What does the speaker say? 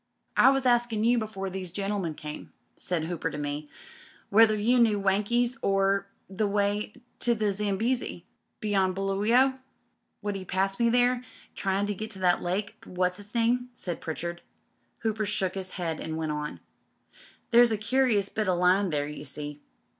"I was askin' you before these gentlemen came," said Hooper to me, "whether you knew Wankies — on the way to the Zambesi — ^beyond Buluwayo?" "Would he pass there — ^tryin' to get to that Lake what's 'is name?" said Pritchard. Hooper shook his head and went on: "There's a curious bit o' line there, you see.